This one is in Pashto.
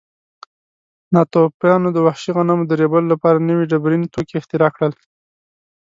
ناتوفیانو د وحشي غنمو د ریبلو لپاره نوي ډبرین توکي اختراع کړل.